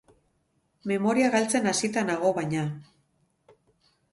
Memoria galtzen hasita nago, baina.